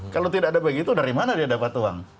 kalau tidak ada begitu dari mana dia dapat uang